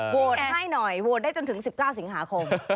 โหวตให้หน่อยโหวตได้จนถึง๑๙สิงหาคม